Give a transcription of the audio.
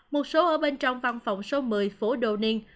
một số ở bên trong văn phòng số một mươi phố dohing